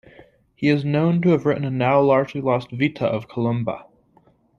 He is known to have written a now largely lost "Vita" of Columba.